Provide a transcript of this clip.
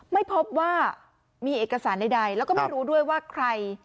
ไม่พบว่ามีเอกสารใดแล้วก็ไม่รู้ด้วยว่าใคร